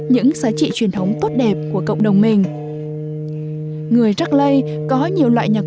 những giá trị truyền thống tốt đẹp của cộng đồng mình